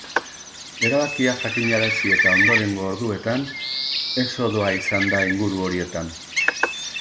Erabakia jakinarazi eta ondorengo orduetan, exodoa izan da inguru horietan.